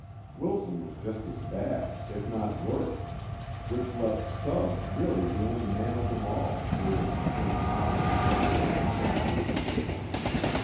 Wilson was just as bad, if not worse, which left Stubbs really the only man of them all able to think calmly and somewhat rationally.